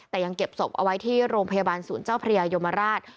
แต่ยังเก็บศพเอาไว้ที่โรงพยาบาลศูนย์เจ้าพระยายมราช